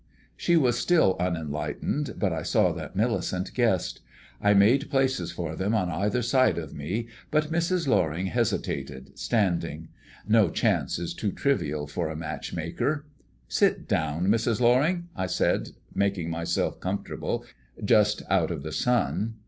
She was still unenlightened, but I saw that Millicent guessed. I made places for them on either side of me, but Mrs. Loring hesitated, standing. No chance is too trivial for a matchmaker. "Sit down, Mrs. Loring," I said, making myself comfortable just out of the sun.